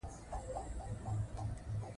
دښتې د افغانستان د طبیعي پدیدو یو رنګ دی.